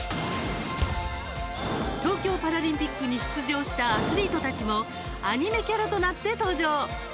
東京パラリンピックに出場したアスリートたちもアニメキャラとなって登場。